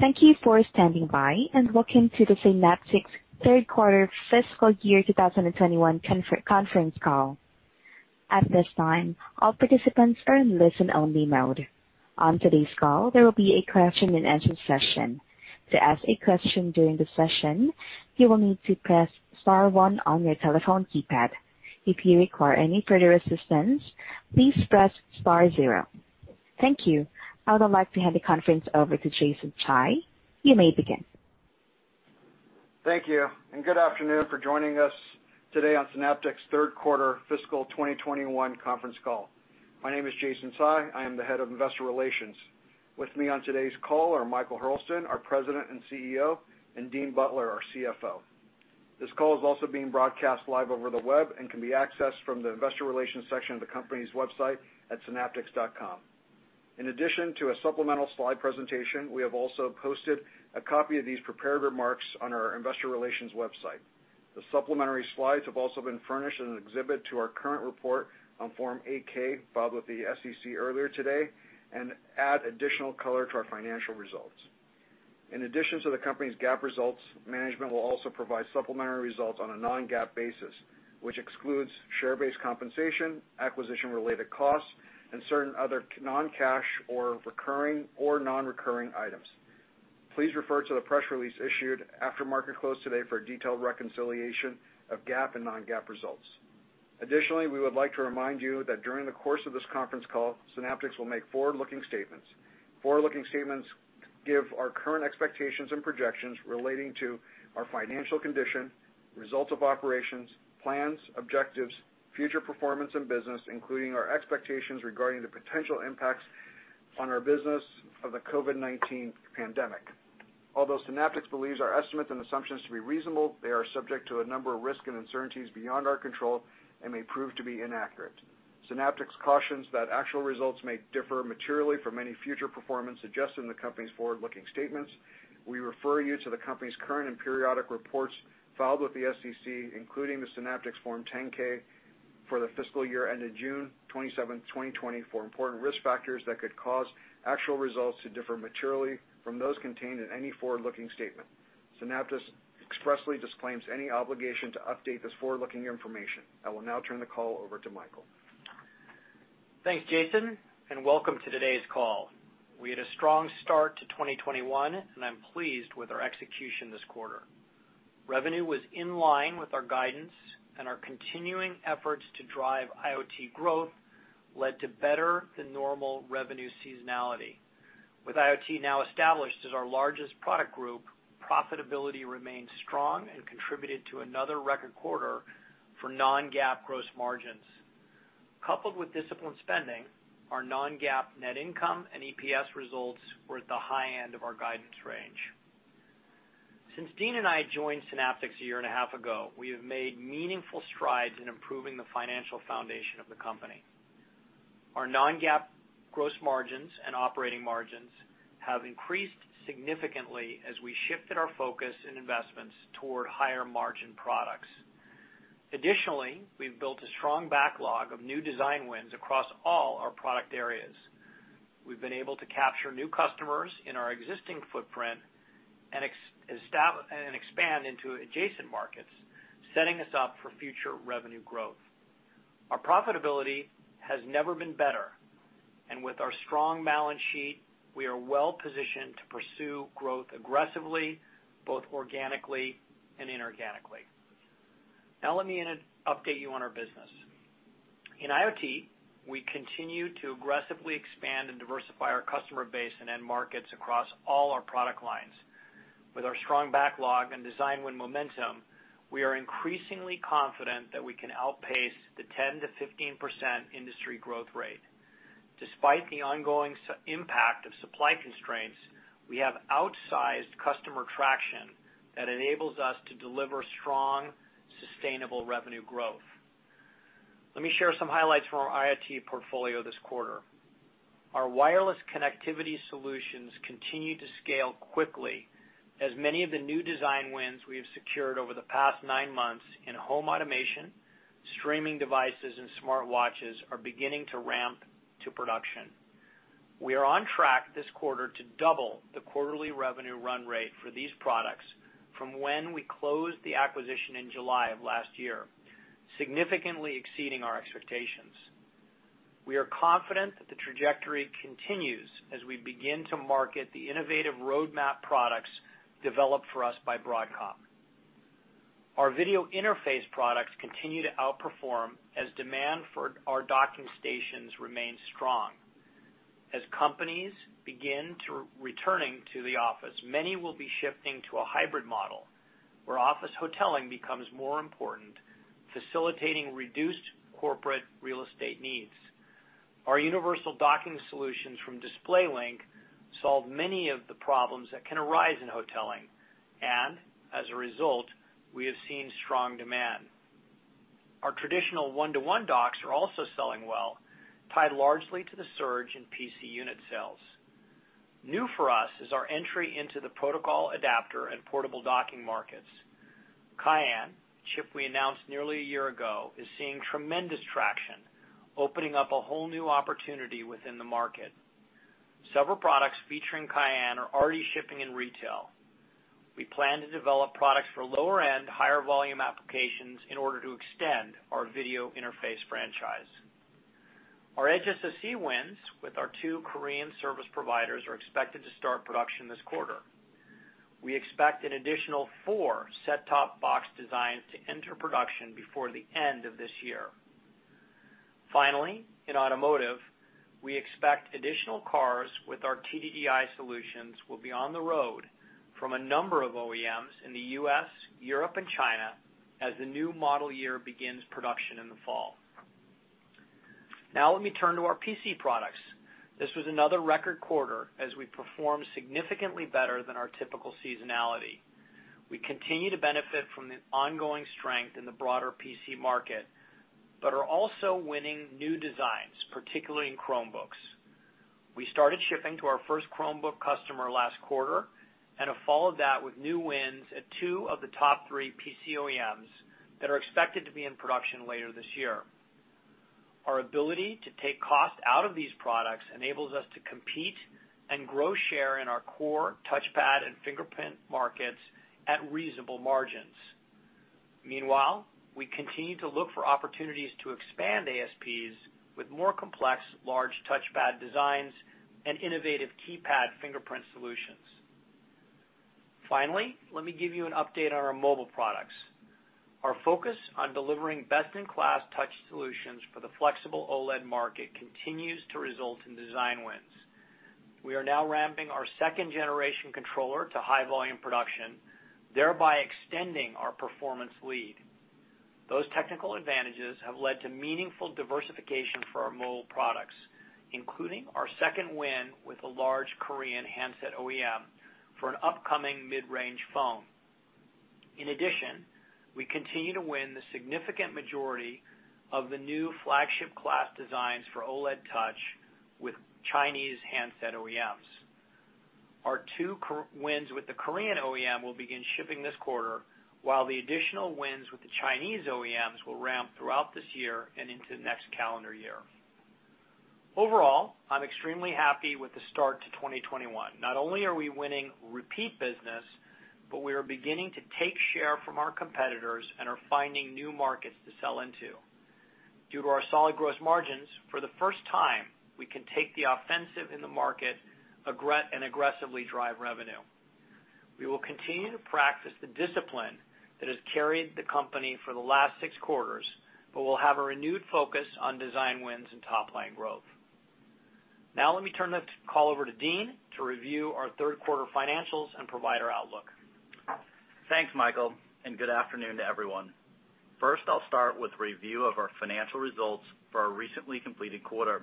Thank you for standing by, and Welcome to the Synaptics Third Quarter Fiscal Year 2021 Conference Call. At this time, all participants are in listen-only mode. On today's call, there will be a question and answer session. [To ask a question during the session, you will need to press star one on your telephone keypad. If you require further assistance, please press zero ] Thank you. I would like to hand the conference over to Jason Tsai. You may begin. Thank you. Good afternoon for joining us today on Synaptics' third quarter fiscal 2021 conference call. My name is Jason Tsai. I am the Head of Investor Relations. With me on today's call are Michael Hurlston, our President and CEO, and Dean Butler, our CFO. This call is also being broadcast live over the web and can be accessed from the investor relations section of the company's website at synaptics.com. In addition to a supplemental slide presentation, we have also posted a copy of these prepared remarks on our investor relations website. The supplementary slides have also been furnished as an exhibit to our current report on Form 8-K filed with the SEC earlier today and add additional color to our financial results. In addition to the company's GAAP results, management will also provide supplementary results on a non-GAAP basis, which excludes share-based compensation, acquisition-related costs, and certain other non-cash or recurring or non-recurring items. Please refer to the press release issued after market close today for a detailed reconciliation of GAAP and non-GAAP results. Additionally, we would like to remind you that during the course of this conference call, Synaptics will make forward-looking statements. Forward-looking statements give our current expectations and projections relating to our financial condition, results of operations, plans, objectives, future performance and business, including our expectations regarding the potential impacts on our business of the COVID-19 pandemic. Although Synaptics believes our estimates and assumptions to be reasonable, they are subject to a number of risks and uncertainties beyond our control and may prove to be inaccurate. Synaptics cautions that actual results may differ materially from any future performance suggested in the company's forward-looking statements. We refer you to the company's current and periodic reports filed with the SEC, including the Synaptics Form 10-K for the fiscal year ended June 27th, 2020, for important risk factors that could cause actual results to differ materially from those contained in any forward-looking statement. Synaptics expressly disclaims any obligation to update this forward-looking information. I will now turn the call over to Michael. Thanks, Jason, and welcome to today's call. We had a strong start to 2021, and I'm pleased with our execution this quarter. Revenue was in line with our guidance, and our continuing efforts to drive IoT growth led to better than normal revenue seasonality. With IoT now established as our largest product group, profitability remains strong and contributed to another record quarter for non-GAAP gross margins. Coupled with disciplined spending, our non-GAAP net income and EPS results were at the high end of our guidance range. Since Dean and I joined Synaptics a year and a half ago, we have made meaningful strides in improving the financial foundation of the company. Our non-GAAP gross margins and operating margins have increased significantly as we shifted our focus and investments toward higher margin products. Additionally, we've built a strong backlog of new design wins across all our product areas. We've been able to capture new customers in our existing footprint and expand into adjacent markets, setting us up for future revenue growth. Our profitability has never been better, and with our strong balance sheet, we are well positioned to pursue growth aggressively, both organically and inorganically. Now let me update you on our business. In IoT, we continue to aggressively expand and diversify our customer base and end markets across all our product lines. With our strong backlog and design win momentum, we are increasingly confident that we can outpace the 10%-15% industry growth rate. Despite the ongoing impact of supply constraints, we have outsized customer traction that enables us to deliver strong, sustainable revenue growth. Let me share some highlights from our IoT portfolio this quarter. Our wireless connectivity solutions continue to scale quickly as many of the new design wins we have secured over the past nine months in home automation, streaming devices, and smartwatches are beginning to ramp to production. We are on track this quarter to double the quarterly revenue run rate for these products from when we closed the acquisition in July of last year, significantly exceeding our expectations. We are confident that the trajectory continues as we begin to market the innovative roadmap products developed for us by Broadcom. Our video interface products continue to outperform as demand for our docking stations remains strong. As companies begin returning to the office, many will be shifting to a hybrid model where office hoteling becomes more important, facilitating reduced corporate real estate needs. Our universal docking solutions from DisplayLink solve many of the problems that can arise in hoteling, and as a result, we have seen strong demand. Our traditional one-to-one docks are also selling well, tied largely to the surge in PC unit sales. New for us is our entry into the protocol adapter and portable docking markets. Cayenne, a chip we announced nearly a year ago, is seeing tremendous traction, opening up a whole new opportunity within the market. Several products featuring Cayenne are already shipping in retail. We plan to develop products for lower-end, higher-volume applications in order to extend our video interface franchise. Our HSSC wins with our two Korean service providers are expected to start production this quarter. We expect an additional four set-top box designs to enter production before the end of this year. Finally, in automotive, we expect additional cars with our TDDI solutions will be on the road from a number of OEMs in the U.S., Europe, and China as the new model year begins production in the fall. Now let me turn to our PC products. This was another record quarter as we performed significantly better than our typical seasonality. We continue to benefit from the ongoing strength in the broader PC market, but are also winning new designs, particularly in Chromebooks. We started shipping to our first Chromebook customer last quarter and have followed that with new wins at two of the top 3 PC OEMs that are expected to be in production later this year. Our ability to take cost out of these products enables us to compete and grow share in our core touchpad and fingerprint markets at reasonable margins. Meanwhile, we continue to look for opportunities to expand ASPs with more complex large touchpad designs and innovative keypad fingerprint solutions. [Finally,] let me give you an update on our mobile products. Our focus on delivering best-in-class touch solutions for the flexible OLED market continues to result in design wins. We are now ramping our second-generation controller to high-volume production, thereby extending our performance lead. Those technical advantages have led to meaningful diversification for our mobile products, including our second win with a large Korean handset OEM for an upcoming mid-range phone. We continue to win the significant majority of the new flagship class designs for OLED Touch with Chinese handset OEMs. Our two wins with the Korean OEM will begin shipping this quarter, while the additional wins with the Chinese OEMs will ramp throughout this year and into next calendar year. Overall, I'm extremely happy with the start to 2021. Not only are we winning repeat business, but we are beginning to take share from our competitors and are finding new markets to sell into. Due to our solid gross margins, for the first time, we can take the offensive in the market and aggressively drive revenue. We will continue to practice the discipline that has carried the company for the last six quarters, but we'll have a renewed focus on design wins and top-line growth. Now let me turn this call over to Dean to review our third-quarter financials and provide our outlook. Thanks, Michael. Good afternoon to everyone. I'll start with a review of our financial results for our recently completed quarter,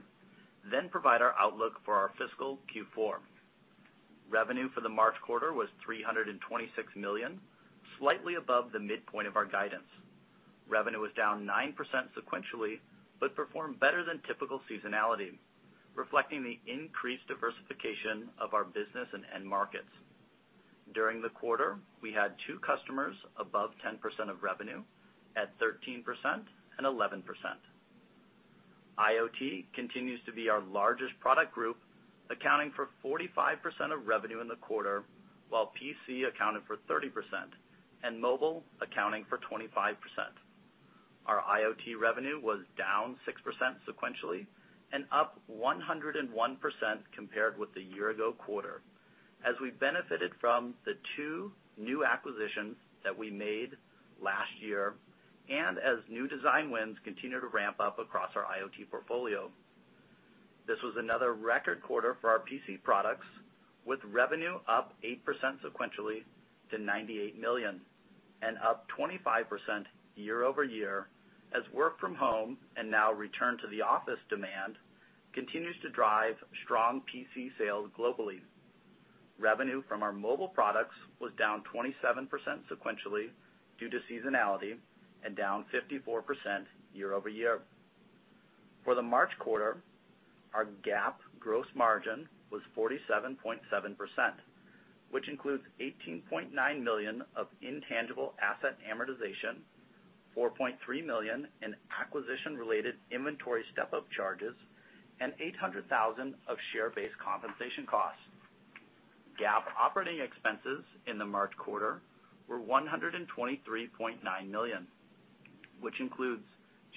then provide our outlook for our fiscal Q4. Revenue for the March quarter was $326 million, slightly above the midpoint of our guidance. Revenue was down 9% sequentially, performed better than typical seasonality, reflecting the increased diversification of our business and end markets. During the quarter, we had two customers above 10% of revenue at 13% and 11%. IoT continues to be our largest product group, accounting for 45% of revenue in the quarter, while PC accounted for 30% and mobile accounting for 25%. Our IoT revenue was down 6% sequentially and up 101% compared with the year-ago quarter, as we benefited from the two new acquisitions that we made last year and as new design wins continue to ramp up across our IoT portfolio. This was another record quarter for our PC products, with revenue up 8% sequentially to $98 million and up 25% year-over-year, as work from home and now return to the office demand continues to drive strong PC sales globally. Revenue from our mobile products was down 27% sequentially due to seasonality and down 54% year-over-year. For the March quarter, our GAAP gross margin was 47.7%, which includes $18.9 million of intangible asset amortization, $4.3 million in acquisition-related inventory step-up charges, and $800,000 of share-based compensation costs. GAAP operating expenses in the March quarter were $123.9 million, which includes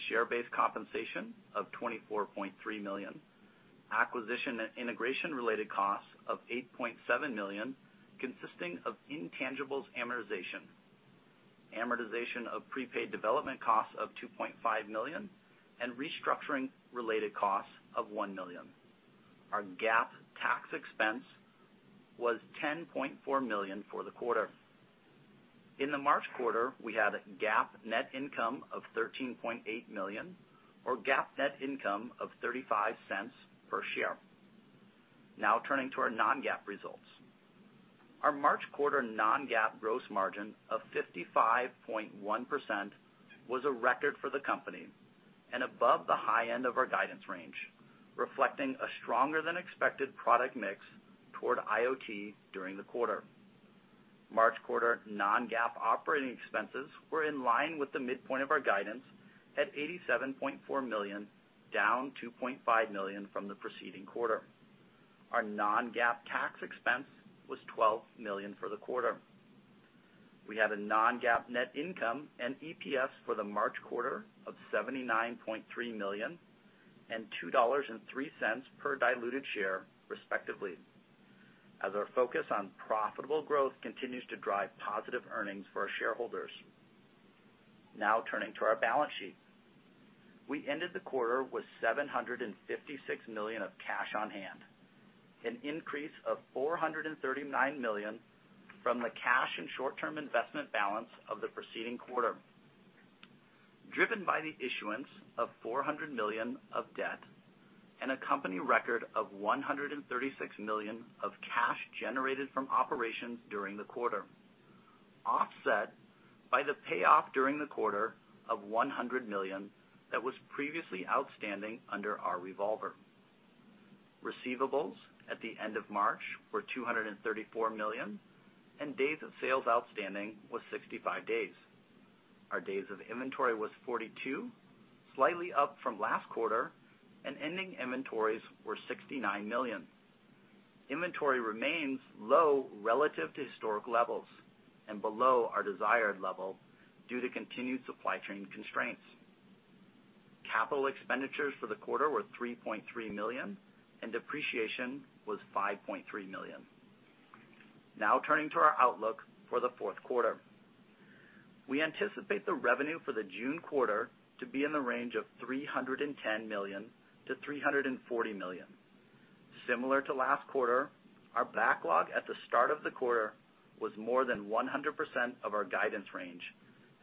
share-based compensation of $24.3 million, acquisition and integration related costs of $8.7 million, consisting of intangibles amortization of prepaid development costs of $2.5 million, and restructuring related costs of $1 million. Our GAAP tax expense was $10.4 million for the quarter. In the March quarter, we had GAAP net income of $13.8 million or GAAP net income of $0.35 per share. Turning to our non-GAAP results. Our March quarter non-GAAP gross margin of 55.1% was a record for the company. Above the high end of our guidance range, reflecting a stronger than expected product mix toward IoT during the quarter. March quarter non-GAAP operating expenses were in line with the midpoint of our guidance at $87.4 million, down $2.5 million from the preceding quarter. Our non-GAAP tax expense was $12 million for the quarter. We had a non-GAAP net income and EPS for the March quarter of $79.3 million and $2.03 per diluted share, respectively, as our focus on profitable growth continues to drive positive earnings for our shareholders. Turning to our balance sheet. We ended the quarter with $756 million of cash on hand, an increase of $439 million from the cash and short-term investment balance of the preceding quarter. Driven by the issuance of $400 million of debt and a company record of $136 million of cash generated from operations during the quarter, offset by the payoff during the quarter of $100 million that was previously outstanding under our revolver. Receivables at the end of March were $234 million, and days of sales outstanding was 65 days. Our days of inventory was 42, slightly up from last quarter, and ending inventories were $69 million. Inventory remains low relative to historic levels and below our desired level due to continued supply chain constraints. Capital expenditures for the quarter were $3.3 million, and depreciation was $5.3 million. Now turning to our outlook for the fourth quarter. We anticipate the revenue for the June quarter to be in the range of $310 million-$340 million. Similar to last quarter, our backlog at the start of the quarter was more than 100% of our guidance range,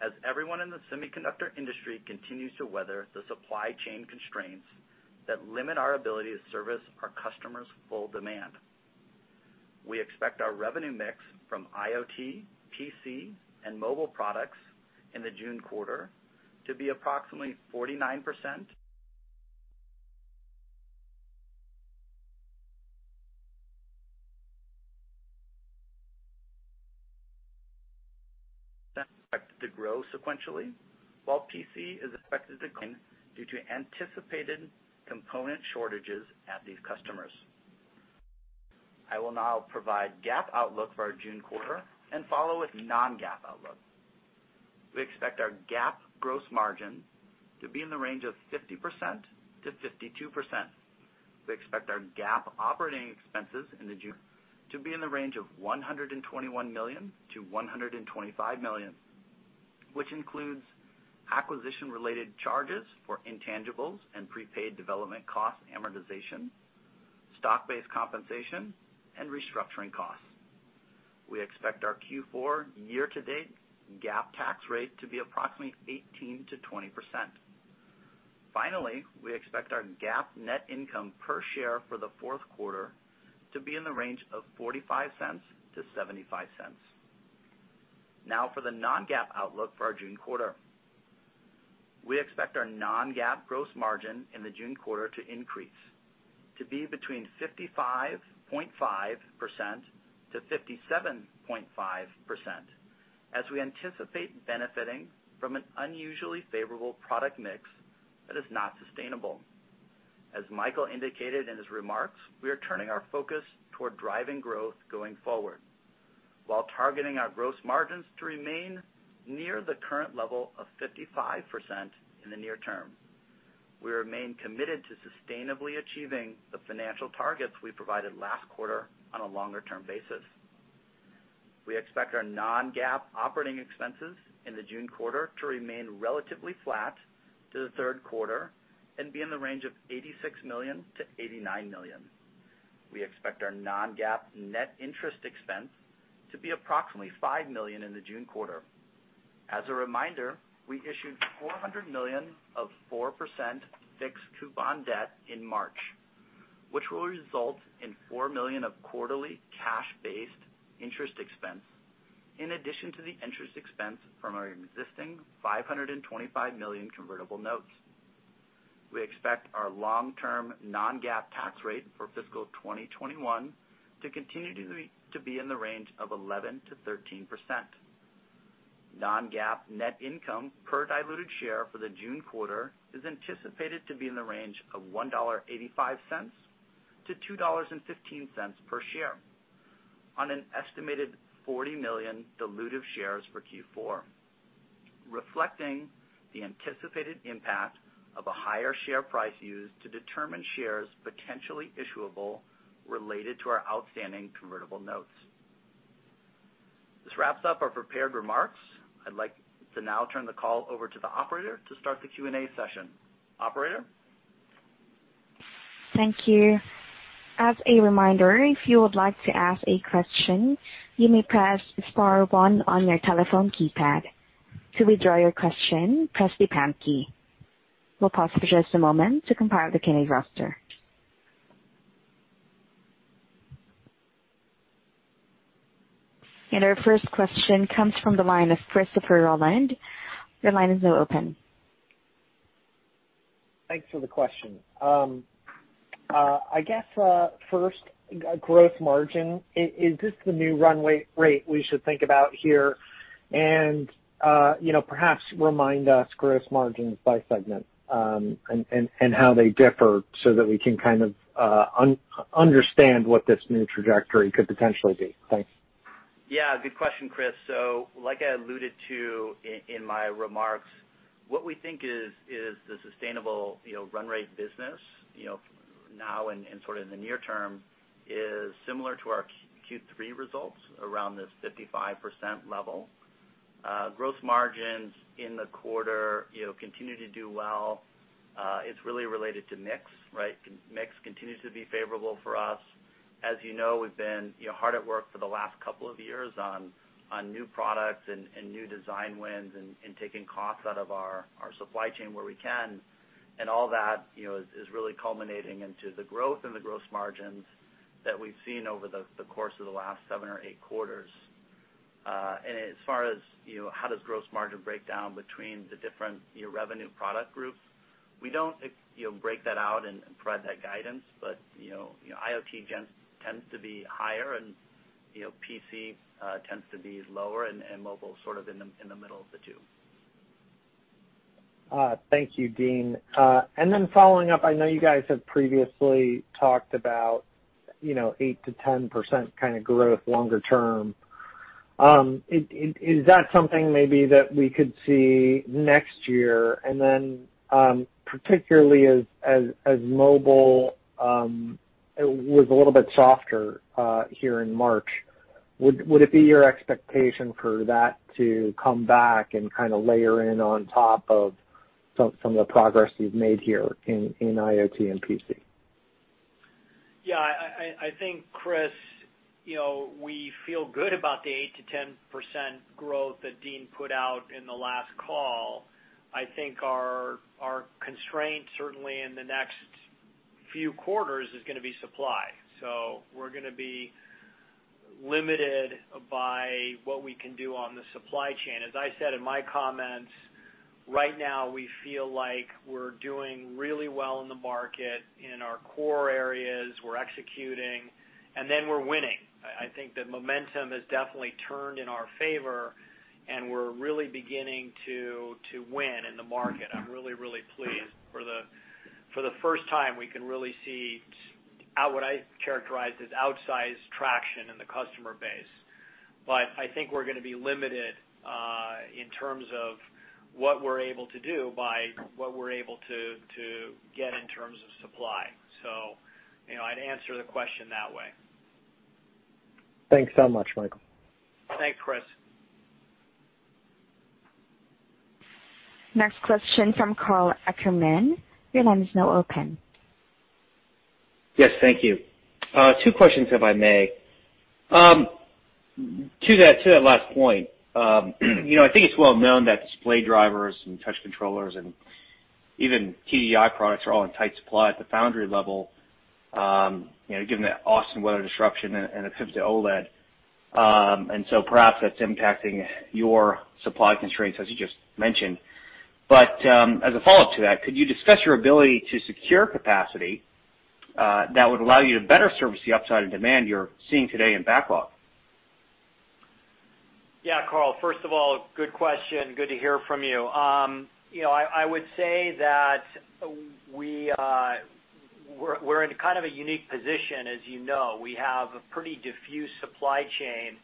as everyone in the semiconductor industry continues to weather the supply chain constraints that limit our ability to service our customers' full demand. We expect our revenue mix from IoT, PC, and mobile products in the June quarter to be approximately 49% to grow sequentially, while PC is expected to decline due to anticipated component shortages at these customers. I will now provide GAAP outlook for our June quarter and follow with non-GAAP outlook. We expect our GAAP gross margin to be in the range of 50%-52%. We expect our GAAP operating expenses in the June to be in the range of $121 million-$125 million, which includes acquisition-related charges for intangibles and prepaid development costs amortization, stock-based compensation, and restructuring costs. We expect our Q4 year-to-date GAAP tax rate to be approximately 18%-20%. Finally, we expect our GAAP net income per share for the fourth quarter to be in the range of $0.45-$0.75. Now for the non-GAAP outlook for our June quarter. We expect our non-GAAP gross margin in the June quarter to increase, to be between 55.5%-57.5%, as we anticipate benefiting from an unusually favorable product mix that is not sustainable. As Michael indicated in his remarks, we are turning our focus toward driving growth going forward while targeting our gross margins to remain near the current level of 55% in the near term. We remain committed to sustainably achieving the financial targets we provided last quarter on a longer-term basis. We expect our non-GAAP operating expenses in the June quarter to remain relatively flat to the third quarter and be in the range of $86 million-$89 million. We expect our non-GAAP net interest expense to be approximately $5 million in the June quarter. As a reminder, we issued $400 million of 4% fixed coupon debt in March, which will result in $4 million of quarterly cash-based interest expense in addition to the interest expense from our existing $525 million convertible notes. We expect our long-term non-GAAP tax rate for fiscal 2021 to continue to be in the range of 11%-13%. Non-GAAP net income per diluted share for the June quarter is anticipated to be in the range of $1.85-$2.15 per share on an estimated 40 million dilutive shares for Q4, reflecting the anticipated impact of a higher share price used to determine shares potentially issuable related to our outstanding convertible notes. This wraps up our prepared remarks. I'd like to now turn the call over to the operator to start the Q&A session. Operator? Thank you. As a reminder, if you would like to ask a question, you may press star one on your telephone keypad. To withdraw your question, press the pound key. We'll pause for just a moment to compile the Q&A roster. Our first question comes from the line of Christopher Rolland. Your line is now open. Thanks for the question. I guess, first, gross margin, is this the new run rate we should think about here? Perhaps remind us gross margins by segment, and how they differ so that we can kind of understand what this new trajectory could potentially be. Thanks. Yeah. Good question, Chris. Like I alluded to in my remarks, what we think is the sustainable run rate business, now and sort of in the near term, is similar to our Q3 results around this 55% level. Gross margins in the quarter continue to do well. It's really related to mix. Mix continues to be favorable for us. As you know, we've been hard at work for the last couple of years on new products and new design wins and taking costs out of our supply chain where we can. All that is really culminating into the growth and the gross margins that we've seen over the course of the last seven or eight quarters. As far as how does gross margin break down between the different revenue product groups, we don't break that out and provide that guidance. IoT tends to be higher and PC tends to be lower and mobile sort of in the middle of the two. Thank you, Dean. Following up, I know you guys have previously talked about 8% to 10% kind of growth longer term. Is that something maybe that we could see next year? Particularly as mobile was a little bit softer here in March, would it be your expectation for that to come back and kind of layer in on top of some of the progress you've made here in IoT and PC? Yeah, I think, Chris, we feel good about the 8%-10% growth that Dean put out in the last call. I think our constraint certainly in the next few quarters is going to be supply. We're going to be limited by what we can do on the supply chain. As I said in my comments, right now we feel like we're doing really well in the market in our core areas. We're executing, and then we're winning. I think the momentum has definitely turned in our favor, and we're really beginning to win in the market. I'm really pleased. For the first time, we can really see what I characterize as outsized traction in the customer base. I think we're going to be limited in terms of what we're able to do by what we're able to get in terms of supply. I'd answer the question that way. Thanks so much, Michael. Thanks, Chris. Next question from Karl Ackerman. Your line is now open. Yes, thank you. Two questions, if I may. To that last point, I think it's well known that display drivers and touch controllers and even TDDI products are all in tight supply at the foundry level, given the Austin weather disruption and the shift to OLED. Perhaps that's impacting your supply constraints as you just mentioned. As a follow-up to that, could you discuss your ability to secure capacity that would allow you to better service the upside and demand you're seeing today in backlog? Yeah, Karl. First of all, good question. Good to hear from you. I would say that we're in kind of a unique position, as you know. We have a pretty diffuse supply chain.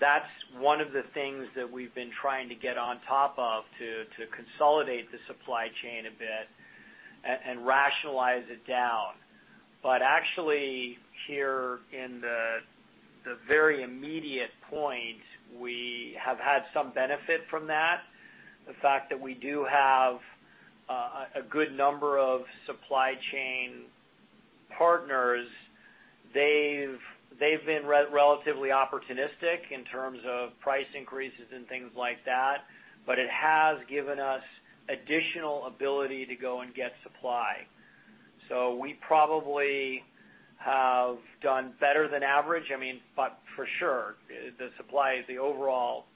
That's one of the things that we've been trying to get on top of, to consolidate the supply chain a bit and rationalize it down. Actually here in the very immediate point, we have had some benefit from that. The fact that we do have a good number of supply chain partners, they've been relatively opportunistic in terms of price increases and things like that, but it has given us additional ability to go and get supply. We probably have done better than average. For sure, the supply is the overall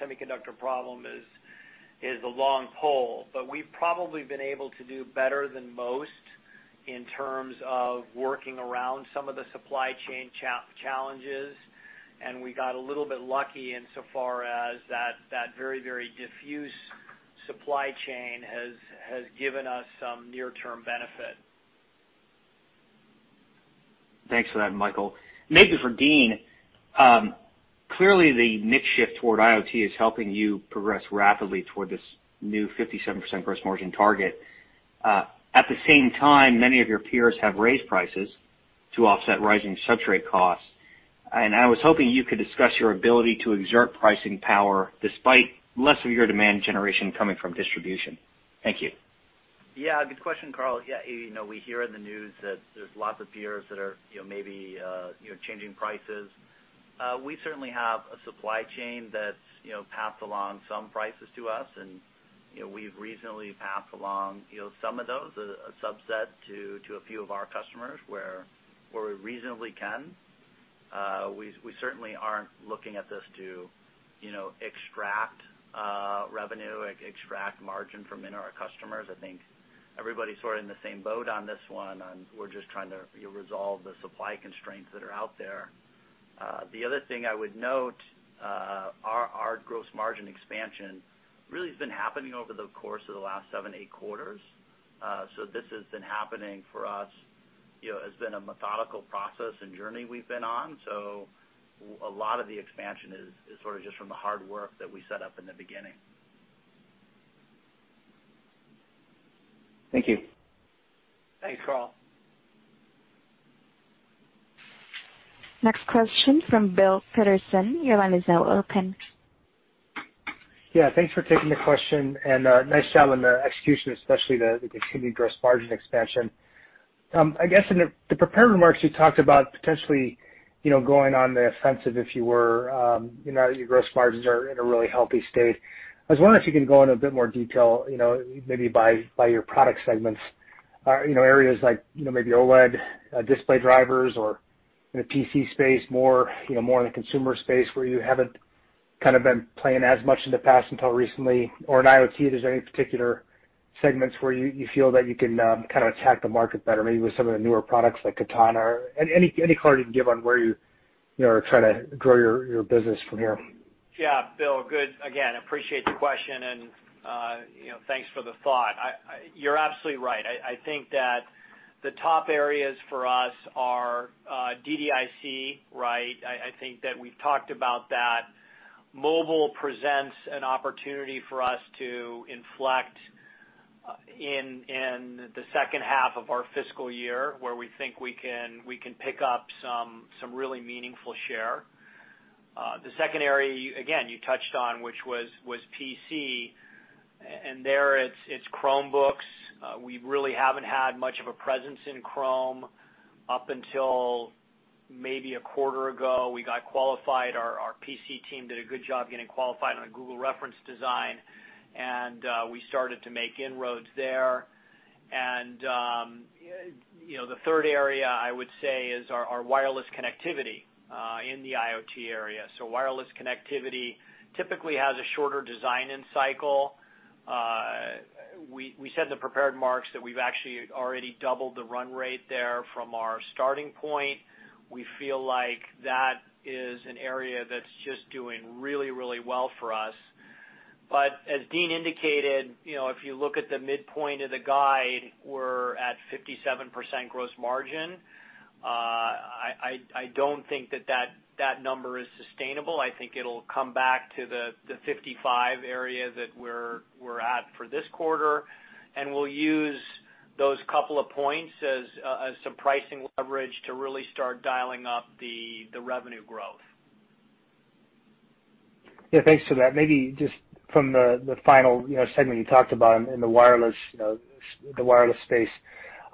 semiconductor problem is the long pull. We've probably been able to do better than most in terms of working around some of the supply chain challenges, and we got a little bit lucky insofar as that very, very diffuse supply chain has given us some near-term benefit. Thanks for that, Michael. Maybe for Dean, clearly the mix shift toward IoT is helping you progress rapidly toward this new 57% gross margin target. At the same time, many of your peers have raised prices to offset rising substrate costs. I was hoping you could discuss your ability to exert pricing power despite less of your demand generation coming from distribution. Thank you. Yeah. Good question, Karl. We hear in the news that there's lots of peers that are maybe changing prices. We certainly have a supply chain that's passed along some prices to us and. We've reasonably passed along some of those, a subset to a few of our customers where we reasonably can. We certainly aren't looking at this to extract revenue, extract margin from our customers. I think everybody's sort of in the same boat on this one, and we're just trying to resolve the supply constraints that are out there. The other thing I would note, our gross margin expansion really has been happening over the course of the last seven, eight quarters. This has been happening for us, has been a methodical process and journey we've been on. A lot of the expansion is sort of just from the hard work that we set up in the beginning. Thank you. Thanks, Karl. Next question from Bill Peterson. Your line is now open. Yeah, thanks for taking the question. Nice job on the execution, especially the continued gross margin expansion. I guess in the prepared remarks, you talked about potentially going on the offensive, if you were. Your gross margins are in a really healthy state. I was wondering if you can go into a bit more detail, maybe by your product segments. Areas like maybe OLED, display drivers or in the PC space more in the consumer space where you haven't kind of been playing as much in the past until recently. In IoT, if there's any particular segments where you feel that you can kind of attack the market better, maybe with some of the newer products like Katana. Any color you can give on where you are trying to grow your business from here? Yeah. Bill, good. Again, appreciate the question and thanks for the thought. You're absolutely right. I think that the top areas for us are DDIC, right? I think that we've talked about that. Mobile presents an opportunity for us to inflect in the second half of our fiscal year, where we think we can pick up some really meaningful share. The second area, again, you touched on, which was PC. There it's Chromebooks. We really haven't had much of a presence in Chrome up until maybe a quarter ago. We got qualified. Our PC team did a good job getting qualified on a Google reference design, and we started to make inroads there. The third area, I would say, is our wireless connectivity in the IoT area. Wireless connectivity typically has a shorter design-in cycle. We said in the prepared marks that we've actually already doubled the run rate there from our starting point. We feel like that is an area that's just doing really well for us. As Dean indicated, if you look at the midpoint of the guide, we're at 57% gross margin. I don't think that that number is sustainable. I think it'll come back to the 55 area that we're at for this quarter, and we'll use those couple of points as some pricing leverage to really start dialing up the revenue growth. Yeah, thanks for that. Maybe just from the final segment you talked about in the wireless space,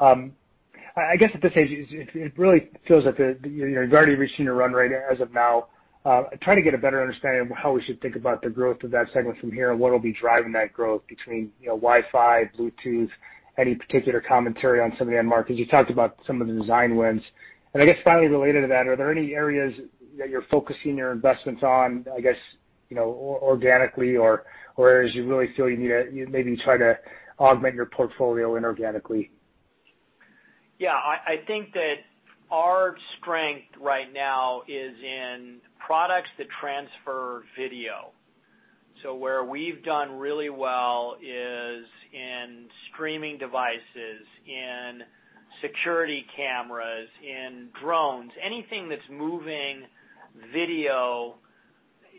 I guess at this stage, it really feels like you're already reaching a run rate as of now. I'm trying to get a better understanding of how we should think about the growth of that segment from here and what'll be driving that growth between Wi-Fi, Bluetooth, any particular commentary on some of the end markets? You talked about some of the design wins. I guess finally related to that, are there any areas that you're focusing your investments on, I guess, organically or areas you really feel you need to maybe try to augment your portfolio inorganically? Yeah, I think that our strength right now is in products that transfer video. Where we've done really well is in streaming devices, in security cameras, in drones. Anything that's moving video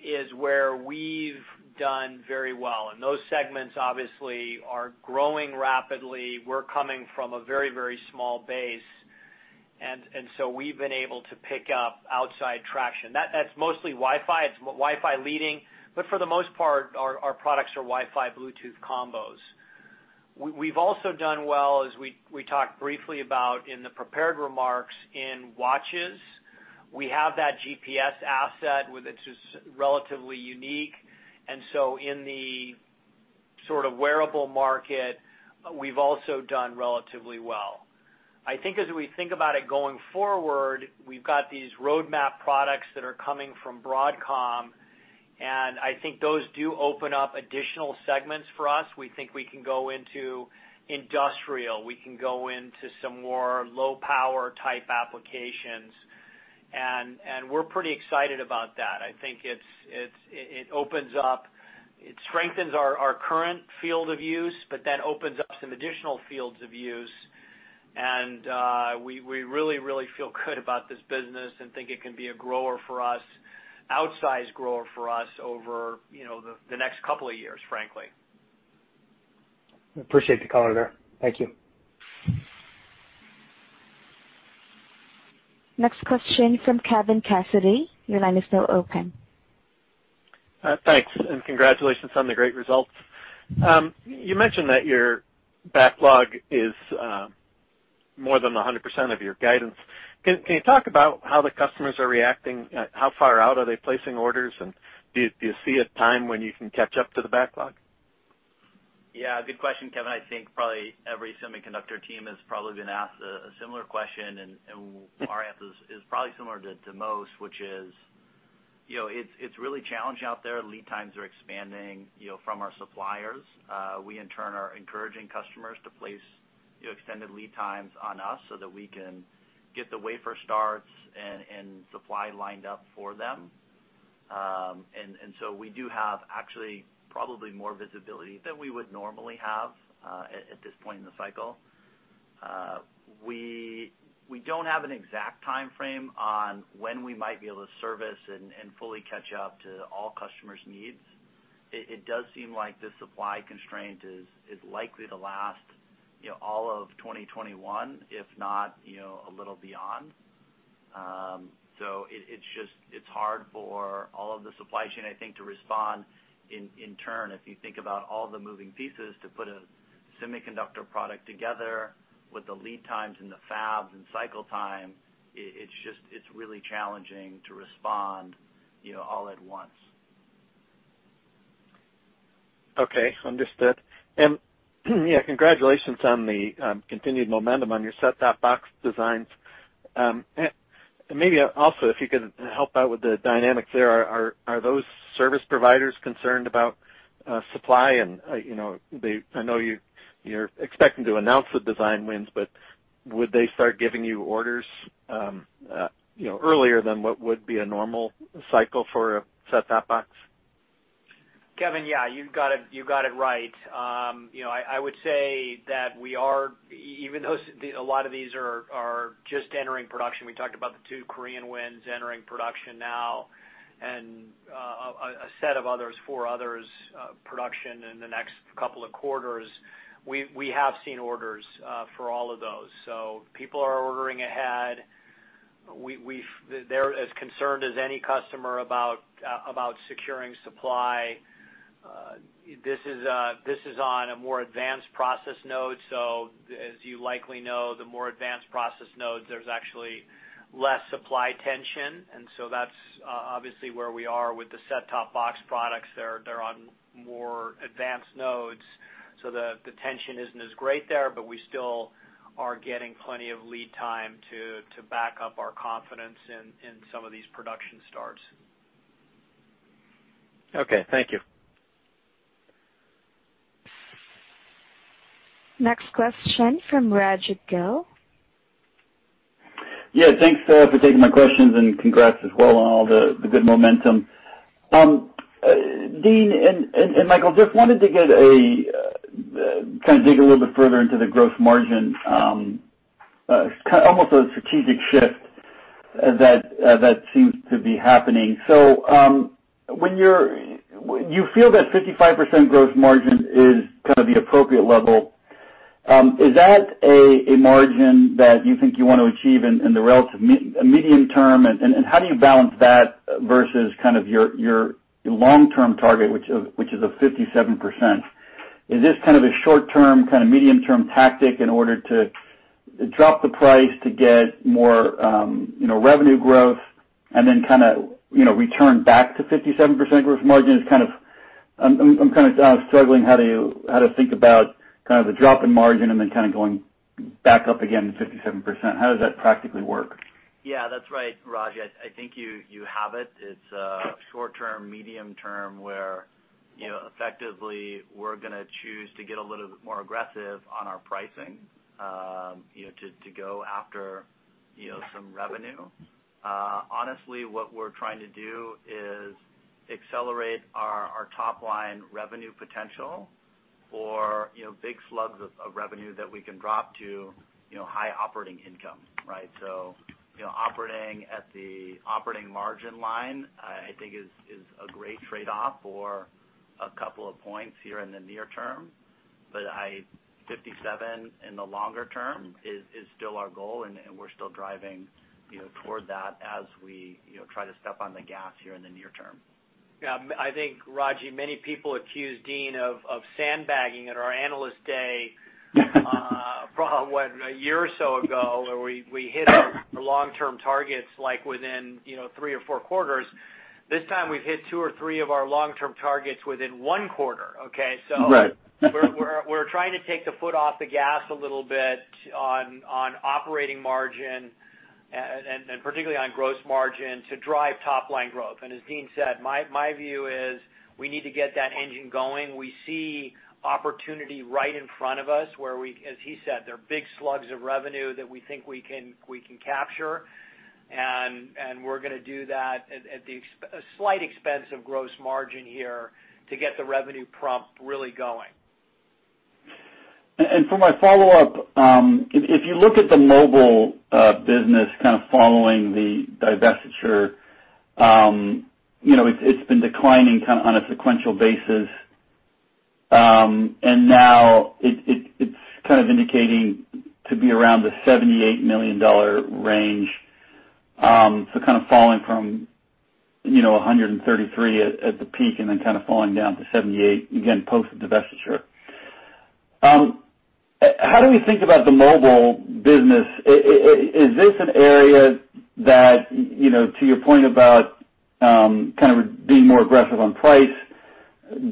is where we've done very well, and those segments, obviously, are growing rapidly. We're coming from a very small base, we've been able to pick up outside traction. That's mostly Wi-Fi. It's Wi-Fi leading, for the most part, our products are Wi-Fi, Bluetooth combos. We've also done well, as we talked briefly about in the prepared remarks, in watches. We have that GPS asset which is relatively unique, in the sort of wearable market, we've also done relatively well. I think as we think about it going forward, we've got these roadmap products that are coming from Broadcom, I think those do open up additional segments for us. We think we can go into industrial. We can go into some more low-power type applications, and we're pretty excited about that. I think it strengthens our current field of use, but then opens up some additional fields of use. We really feel good about this business and think it can be a grower for us, outsized grower for us over the next couple of years, frankly. Appreciate the color there. Thank you. Next question from Kevin Cassidy. Your line is now open. Thanks. Congratulations on the great results. You mentioned that your backlog is more than 100% of your guidance. Can you talk about how the customers are reacting? How far out are they placing orders, and do you see a time when you can catch up to the backlog? Yeah. Good question, Kevin Cassidy. I think probably every semiconductor team has probably been asked a similar question, and our answer is probably similar to most, which is it's really challenging out there. Lead times are expanding from our suppliers. We, in turn, are encouraging customers to place extended lead times on us so that we can get the wafer starts and supply lined up for them. We do have actually, probably more visibility than we would normally have at this point in the cycle. We don't have an exact timeframe on when we might be able to service and fully catch up to all customers' needs. It does seem like the supply constraint is likely to last all of 2021, if not a little beyond. It's hard for all of the supply chain, I think, to respond in turn. If you think about all the moving pieces to put a semiconductor product together with the lead times and the fabs and cycle time, it's really challenging to respond all at once. Okay. Understood. Congratulations on the continued momentum on your set-top box designs. Maybe also, if you could help out with the dynamics there. Are those service providers concerned about supply? I know you're expecting to announce the design wins, but would they start giving you orders earlier than what would be a normal cycle for a set-top box? Kevin, yeah, you got it right. I would say that even though a lot of these are just entering production, we talked about the two Korean wins entering production now and a set of others, four others, production in the next couple of quarters. We have seen orders for all of those. People are ordering ahead. They're as concerned as any customer about securing supply. This is on a more advanced process node. As you likely know, the more advanced process nodes, there's actually less supply tension, and so that's obviously where we are with the set-top box products. They're on more advanced nodes, so the tension isn't as great there, but we still are getting plenty of lead time to back up our confidence in some of these production starts. Okay, thank you. Next question from Raji Gill. Thanks for taking my questions and congrats as well on all the good momentum. Dean and Michael, just wanted to kind of dig a little bit further into the gross margin. You feel that 55% gross margin is kind of the appropriate level. Is that a margin that you think you want to achieve in the relative medium term, and how do you balance that versus your long-term target, which is a 57%? Is this kind of a short-term, kind of medium-term tactic in order to drop the price to get more revenue growth and then kind of return back to 57% gross margin? I'm kind of struggling how to think about the drop in margin and then kind of going back up again to 57%. How does that practically work? Yeah. That's right, Raji. I think you have it. It's a short-term, medium-term, where effectively, we're gonna choose to get a little bit more aggressive on our pricing to go after some revenue. Honestly, what we're trying to do is accelerate our top-line revenue potential for big slugs of revenue that we can drop to high operating income. Right? Operating at the operating margin line, I think is a great trade-off or a couple of points here in the near term. 57% in the longer term is still our goal, and we're still driving toward that as we try to step on the gas here in the near term. Yeah. I think, Raji, many people accused Dean of sandbagging at our Analyst Day, what, a year or so ago, where we hit our long-term targets, like within three or four quarters. This time we've hit two or three of our long-term targets within one quarter, okay? Right. We're trying to take the foot off the gas a little bit on operating margin, and particularly on gross margin to drive top-line growth. As Dean said, my view is we need to get that engine going. We see opportunity right in front of us, where we, as he said, there are big slugs of revenue that we think we can capture, and we're gonna do that at a slight expense of gross margin here to get the revenue prompt really going. For my follow-up, if you look at the mobile business, kind of following the divestiture, it's been declining on a sequential basis. Now it's kind of indicating to be around the $78 million range. Kind of falling from $133 at the peak and then kind of falling down to $78 again post-divestiture. How do we think about the mobile business? Is this an area that, to your point about kind of being more aggressive on price,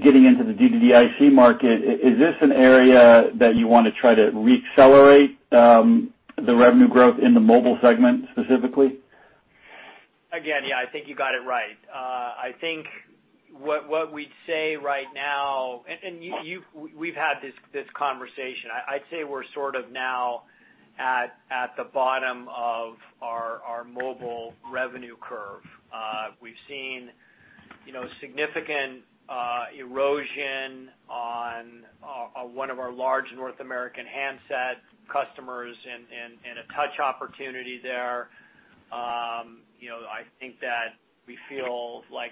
getting into the DDIC market, is this an area that you want to try to re-accelerate the revenue growth in the mobile segment specifically? Again, yeah, I think you got it right. I think what we'd say right now, and we've had this conversation, I'd say we're sort of now at the bottom of our mobile revenue curve. We've seen significant erosion on one of our large North American handset customers and a touch opportunity there. I think that we feel like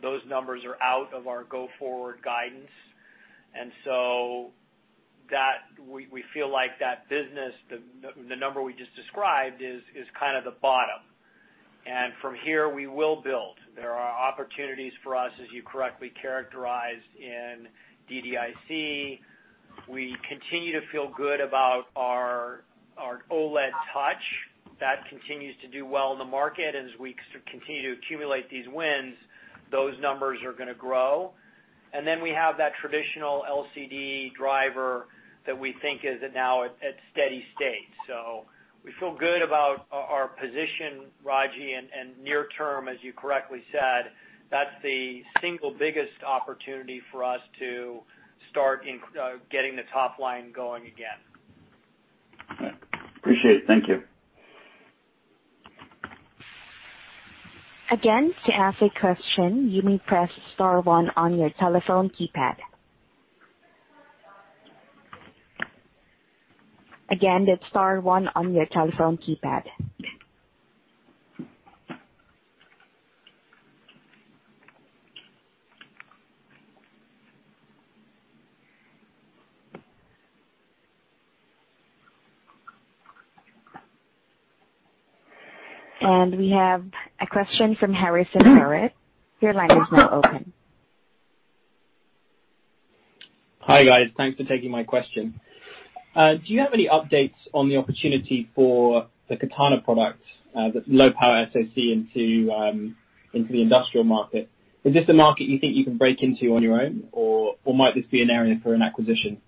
those numbers are out of our go-forward guidance. We feel like that business, the number we just described, is kind of the bottom. From here, we will build. There are opportunities for us, as you correctly characterized, in DDIC. We continue to feel good about our OLED touch. That continues to do well in the market. As we continue to accumulate these wins, those numbers are going to grow. We have that traditional LCD driver that we think is now at steady state. We feel good about our position, Raji, and near term, as you correctly said, that's the single biggest opportunity for us to start getting the top line going again. All right. Appreciate it. Thank you. Again, to ask a question, you may press star one on your telephone keypad. Again, that's star one on your telephone keypad. We have a question from Harrison Barrett. Your line is now open. Hi, guys. Thanks for taking my question. Do you have any updates on the opportunity for the Katana product, the low-power SoC into the industrial market? Is this a market you think you can break into on your own, or might this be an area for an acquisition?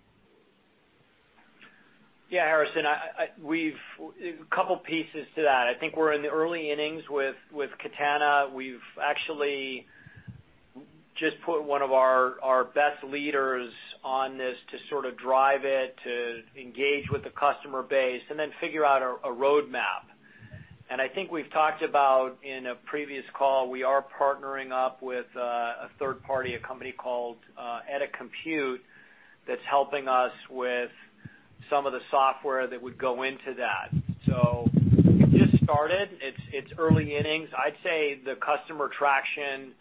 Harrison, a couple of pieces to that. I think we're in the early innings with Katana. We've actually just put one of our best leaders on this to sort of drive it, to engage with the customer base, and then figure out a roadmap. I think we've talked about in a previous call, we are partnering up with a third party, a company called Eta Compute, that's helping us with some of the software that would go into that. We've just started. It's early innings. I'd say the customer traction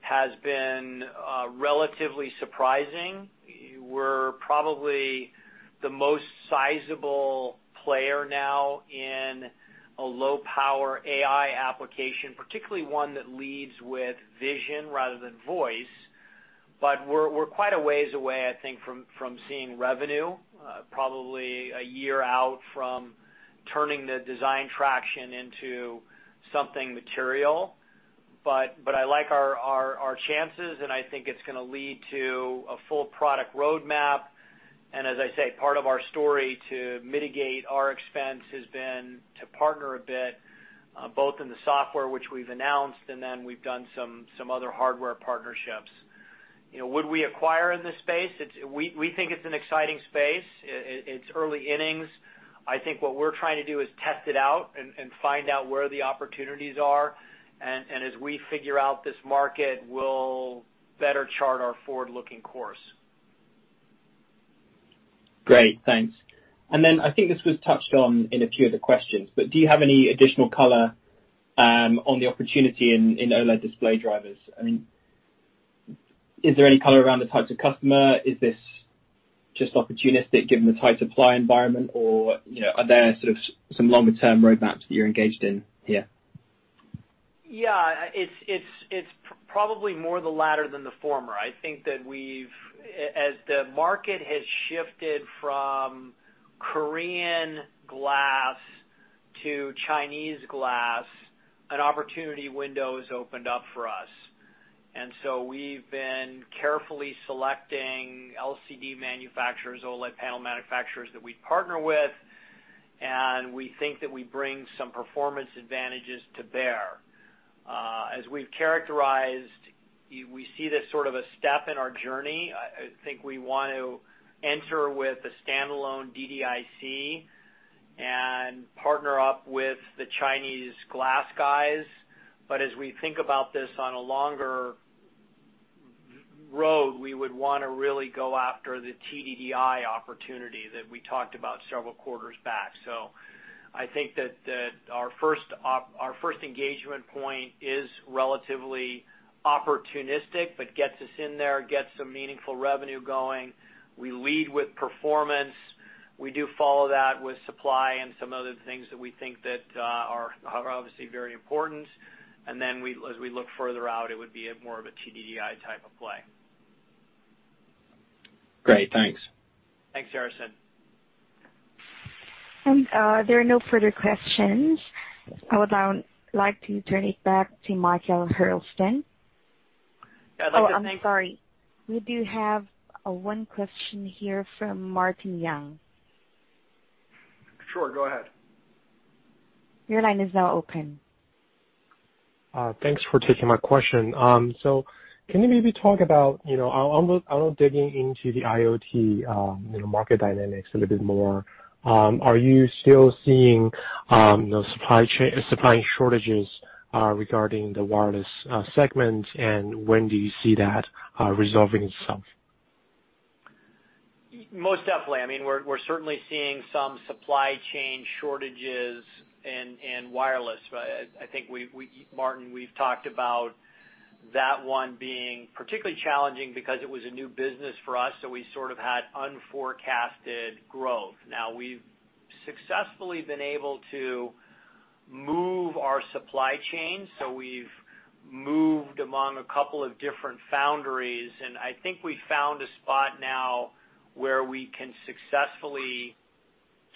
has been relatively surprising. We're probably the most sizable player now in a low-power AI application, particularly one that leads with vision rather than voice. We're quite a ways away, I think, from seeing revenue, probably one year out from turning the design traction into something material. [But] I like our chances, and I think it's going to lead to a full product roadmap. As I say, part of our story to mitigate our expense has been to partner a bit, both in the software, which we've announced, and then we've done some other hardware partnerships. Would we acquire in this space? We think it's an exciting space. It's early innings. I think what we're trying to do is test it out and find out where the opportunities are. As we figure out this market, we'll better chart our forward-looking course. Great. Thanks. I think this was touched on in a few of the questions, but do you have any additional color on the opportunity in OLED display drivers? Is there any color around the types of customer? Is this just opportunistic given the tight supply environment? Are there sort of some longer-term roadmaps that you're engaged in here? Yeah, it's probably more the latter than the former. I think that as the market has shifted from Korean glass to Chinese glass, an opportunity window has opened up for us. We've been carefully selecting LCD manufacturers, OLED panel manufacturers that we partner with, and we think that we bring some performance advantages to bear. As we've characterized, we see this sort of a step in our journey. I think we want to enter with a standalone DDIC and partner up with the Chinese glass guys. As we think about this on a longer road, we would want to really go after the TDDI opportunity that we talked about several quarters back. I think that our first engagement point is relatively opportunistic, but gets us in there, gets some meaningful revenue going. We lead with performance. We do follow that with supply and some other things that we think that are obviously very important. Then as we look further out, it would be more of a TDDI type of play. Great. Thanks. Thanks, Harrison. There are no further questions. I would now like to turn it back to Michael Hurlston. I'd like to thank Oh, I'm sorry. We do have one question here from Martin Yang. Sure, go ahead. Your line is now open. Thanks for taking my question. Can you maybe talk about, on digging into the IoT market dynamics a little bit more, are you still seeing supply shortages regarding the wireless segment, and when do you see that resolving itself? Most definitely. We're certainly seeing some supply chain shortages in wireless. I think, Martin, we've talked about that one being particularly challenging because it was a new business for us, so we sort of had unforecasted growth. Now, we've successfully been able to move our supply chain. We've moved among a couple of different foundries, and I think we found a spot now where we can successfully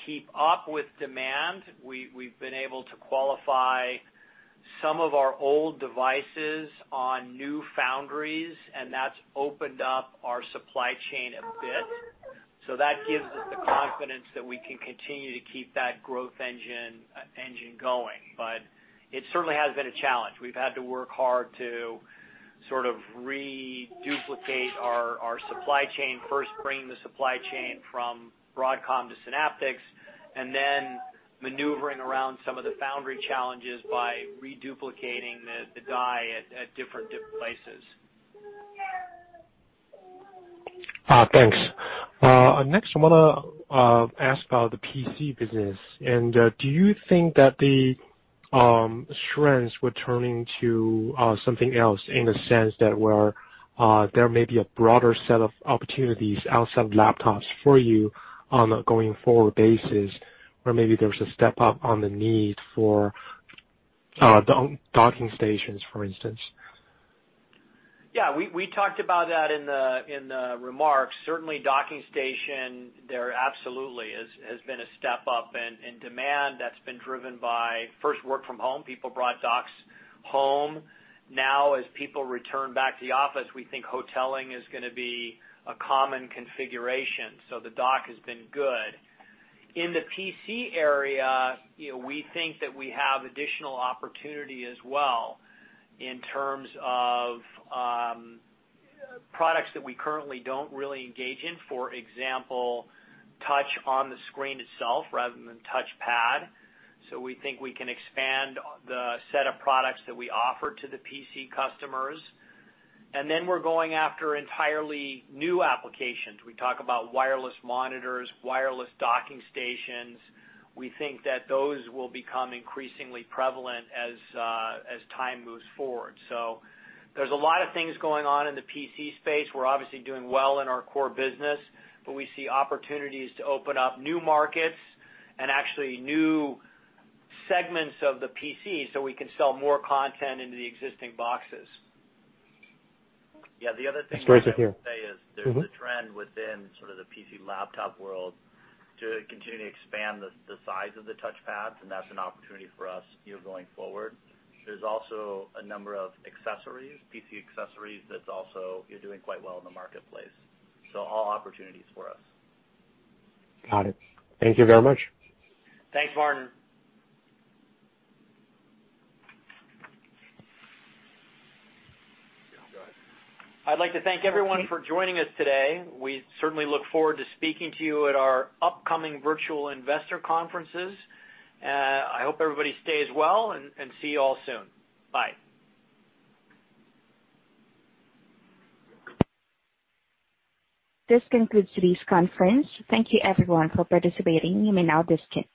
keep up with demand. We've been able to qualify some of our old devices on new foundries, and that's opened up our supply chain a bit. That gives us the confidence that we can continue to keep that growth engine going. It certainly has been a challenge. We've had to work hard to sort of re-duplicate our supply chain. First, bringing the supply chain from Broadcom to Synaptics, and then maneuvering around some of the foundry challenges by re-duplicating the die at different places. Thanks. Next, I want to ask about the PC business. Do you think that the trends were turning to something else in the sense that there may be a broader set of opportunities outside of laptops for you on a going forward basis, where maybe there's a step up on the need for docking stations, for instance? We talked about that in the remarks. Certainly docking station, there absolutely has been a step up in demand that's been driven by, first work from home, people brought docks home. As people return back to the office, we think hoteling is going to be a common configuration. The dock has been good. In the PC area, we think that we have additional opportunity as well in terms of products that we currently don't really engage in. For example, touch on the screen itself rather than touch pad. We think we can expand the set of products that we offer to the PC customers. We're going after entirely new applications. We talk about wireless monitors, wireless docking stations. We think that those will become increasingly prevalent as time moves forward. There's a lot of things going on in the PC space. We're obviously doing well in our core business, but we see opportunities to open up new markets and actually new segments of the PC so we can sell more content into the existing boxes. Yeah. The other thing I would say is there's a trend within sort of the PC laptop world to continue to expand the size of the touch pads, and that's an opportunity for us going forward. There's also a number of accessories, PC accessories, that's also doing quite well in the marketplace. All opportunities for us. Got it. Thank you very much. Thanks, Martin. I'd like to thank everyone for joining us today. We certainly look forward to speaking to you at our upcoming virtual investor conferences. I hope everybody stays well, and see you all soon. Bye. This concludes today's conference. Thank you everyone for participating. You may now disconnect.